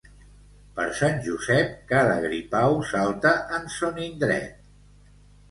Per Sant Josep, cada gripau salta en son indret.